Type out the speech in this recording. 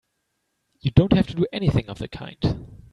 You don't have to do anything of the kind!